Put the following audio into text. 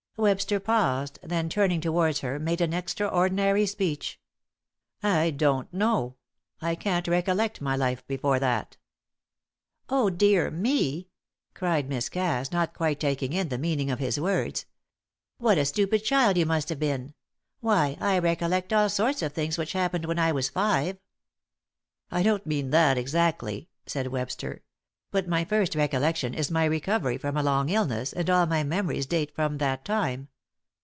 Webster paused, then turning towards her made an extraordinary speech. "I don't know. I can't recollect my life before that." "Oh, dear me!" cried Miss Cass, not quite taking in the meaning of his words. "What a stupid child you must have been! Why, I recollect all sorts of things which happened when I was five." "I don't mean that exactly," said Webster, "but my first recollection is my recovery from a long illness, and all my memories date from that time.